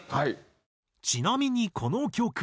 ちなみにこの曲。